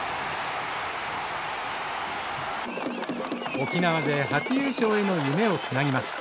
沖縄勢初優勝への夢をつなぎます。